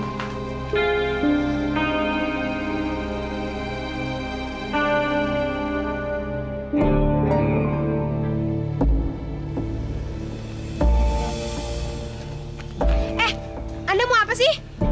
eh anda mau apa sih